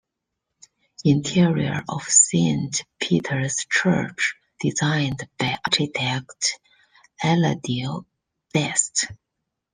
Interior of Saint Peter's church designed by architect Eladio Dieste.